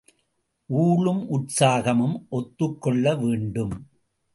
ஊழும் உற்சாகமும் ஒத்துக்கொள்ள வேண்டும்.